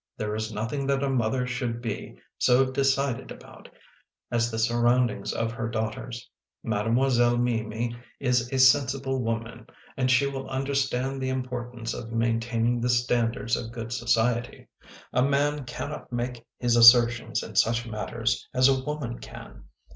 There is nothing that a mother should be so decided about as the surroundings of her daughters. Mademoiselle Mimi is a sensible woman and she will understand the importance of maintaining the standards of good society. A man cannot make his assertions in such matters as a woman can.